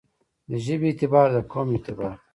د ژبې اعتبار دقوم اعتبار دی.